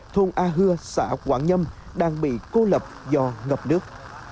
thôn a hưa xã quảng nhâm đang bị cô lập do ngập nước